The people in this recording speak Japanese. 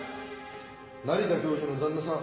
成田教授の旦那さん。